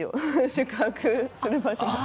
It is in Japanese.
宿泊する場所が。